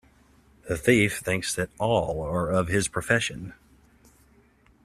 The thief thinks that all are of his profession.